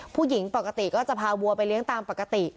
ผู้หญิงปกติก็จะพาวัวไปเลี้ยงตามปกติ